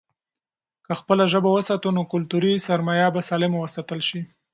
که خپله ژبه وساتو، نو کلتوري سرمايه به سالمه وساتل شي.